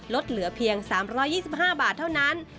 ลดเหลือเพียง๓๒๕บาทเท่านั้น